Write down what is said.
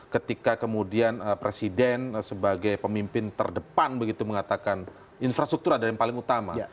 ketika kemudian presiden sebagai pemimpin terdepan begitu mengatakan infrastruktur adalah yang paling utama